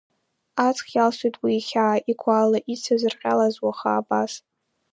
Аҵх иалсуеит уи ихьаа, игәала, ицәа зырҟьалаз уаха абас.